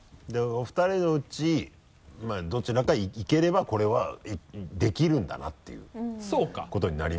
お二人のうちどちらかいければこれはできるんだなっていうことになりますから。